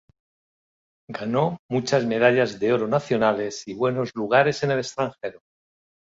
Ganó muchas medallas de oro nacionales y buenos lugares en el extranjero.